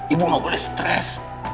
ibu gak boleh stress